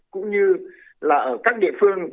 cũng như là ở các địa phương